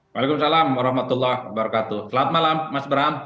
waalaikumsalam warahmatullahi wabarakatuh selamat malam mas bram